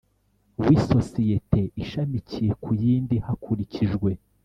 W iyo sosiyete ishamikiye ku yindi hakurikijwe